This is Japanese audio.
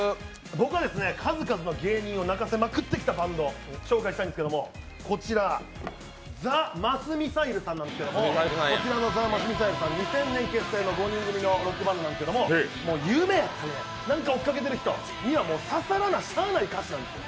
僕は数々の芸人を泣かせまくってきたバンドを紹介したいんですけれども、こちらザ・マスミサイルさんなんですけれども、２０００年結成の５人組のロックバンドなんですけど、夢やったり、何か追っかけている人は、刺ささらなしゃあない歌詞なんですよ。